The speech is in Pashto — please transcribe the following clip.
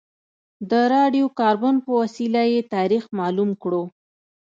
د راډیو کاربن په وسیله یې تاریخ معلوم کړو.